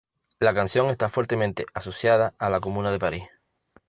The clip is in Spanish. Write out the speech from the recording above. La canción está fuertemente asociada a la Comuna de París.